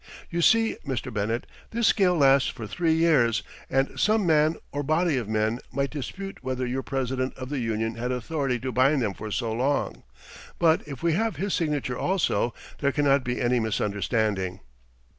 You see, Mr. Bennett, this scale lasts for three years, and some man, or body of men, might dispute whether your president of the union had authority to bind them for so long, but if we have his signature also, there cannot be any misunderstanding."